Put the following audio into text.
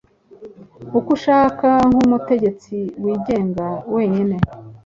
uko ashaka nk'umutegetsi wigenga wenyine